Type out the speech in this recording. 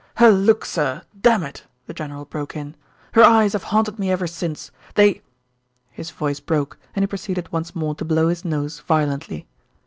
"Her look, sir! Dammit!" the general broke in. "Her eyes have haunted me ever since. They " His voice broke, and he proceeded once more to blow his nose violently.